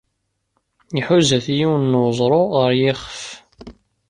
Iḥuza-t yiwen n weẓru ɣer yiɣef.